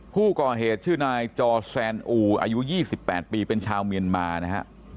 ผู้ก่อเหตุชื่อนายจอแซนอูอายุ๒๘ปีเป็นชาวเมียนมานะฮะ